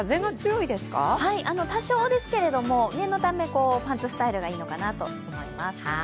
多少ですけども、念のためパンツスタイルがいいのかなと思います。